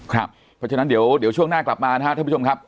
เพราะฉะนั้นเดี๋ยวช่วงหน้ากลับมานะครับท่านผู้ชมครับ